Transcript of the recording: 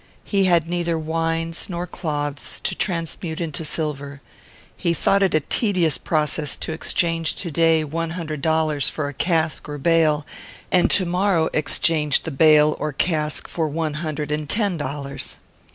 He had neither wines nor cloths, to transmute into silver. He thought it a tedious process to exchange to day one hundred dollars for a cask or bale, and to morrow exchange the bale or cask for one hundred and ten dollars.